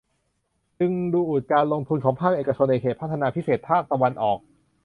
ดึงดูดการลงทุนของภาคเอกชน ในเขตพัฒนาพิเศษภาคตะวันออก